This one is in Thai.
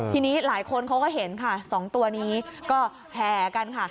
ทีนี้หลายคนเขาก็เห็นค่ะ๒ตัวนี้ก็แห่กันค่ะ